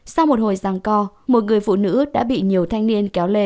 sau một hồi rằng co một người phụ nữ đã bị nhiều thanh niên kéo lê